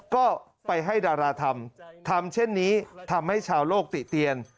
ก็ไปให้ดาราทำทำเช่นนี้ทำให้ชาวโลกติเตียน